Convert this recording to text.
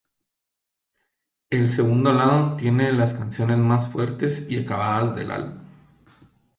El segundo lado tiene las canciones más fuertes y acabadas del álbum.